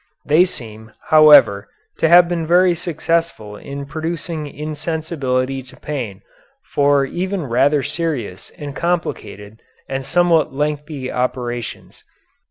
They seem, however, to have been very successful in producing insensibility to pain for even rather serious and complicated and somewhat lengthy operations.